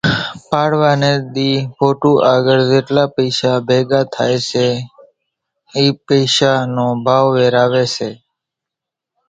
پاڙِوا ني ۮي ڦوٽُو آڳرِ زيٽلا پئيشا ڀيڳا ٿائي سي اِي پئيشان نو ڀائو ويراوي سي